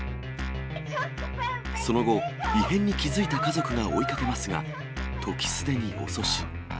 その後、異変に気付いた家族が追いかけますが、時すでに遅し。